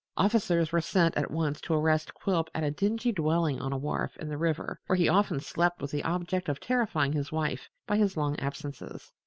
Officers were sent at once to arrest Quilp at a dingy dwelling on a wharf in the river where he often slept with the object of terrifying his wife by his long absences.